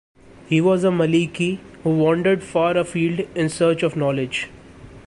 He was a Maliki who wandered far afield in search of knowledge.